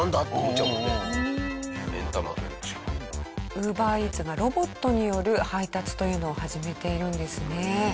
ＵｂｅｒＥａｔｓがロボットによる配達というのを始めているんですね。